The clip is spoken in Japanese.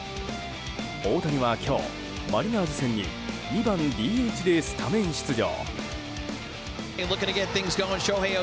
大谷は今日、マリナーズ戦に２番ＤＨでスタメン出場。